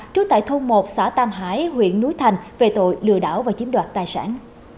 trú tại thôn một xã tam hải huyện núi thành về tội lừa đảo và chiếm đoạt tài sản